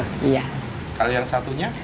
kalau yang satunya